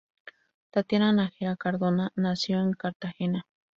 Tatiana Nájera Cardona, nació en Cartagena.